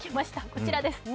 こちらです。